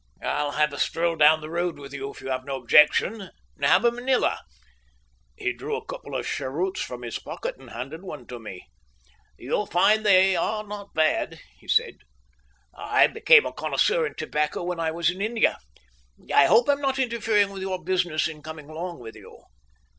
"I'll have a stroll down the road with you, if you have no objection. Have a manilla." He drew a couple of cheroots from his pocket and handed one to me. "You'll find they are not bad," he said. "I became a connoisseur in tobacco when I was in India. I hope I am not interfering with your business in coming along with you?"